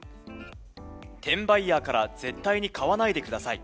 転売ヤーから絶対に買わないでください！